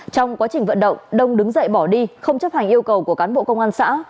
trong quá trình vận động đông đứng dậy bỏ đi không chấp hành yêu cầu của cán bộ công an xã